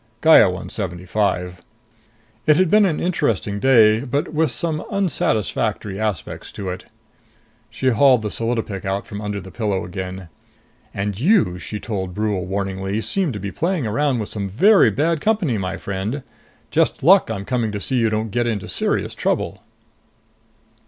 Gaya won seventy five. It had been an interesting day, but with some unsatisfactory aspects to it. She hauled the solidopic out from under the pillow again. "And you," she told Brule warningly, "seem to be playing around with some very bad company, my friend! Just luck I'm coming back to see you don't get into serious trouble!"